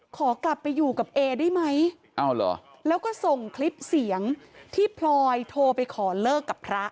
ขอกลับไปอยู่กับเอได้ไหมแล้วก็ส่งคลิปเสียงที่พลอยโทรไปขอเลิกกับพระ